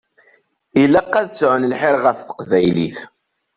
Ilaq ad sɛun lḥir ɣef teqbaylit.